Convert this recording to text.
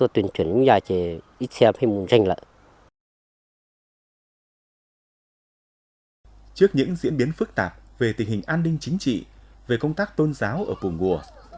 trước những diễn biến phức tạp về tình hình an ninh chính trị về công tác tôn giáo ở cổ bồa